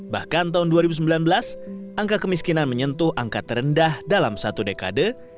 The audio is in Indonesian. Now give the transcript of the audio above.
bahkan tahun dua ribu sembilan belas angka kemiskinan menyentuh angka terendah dalam satu dekade